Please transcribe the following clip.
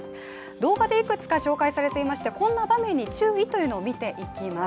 動画でいくつか紹介されていましてこんな場面に注意というのを見ていきます。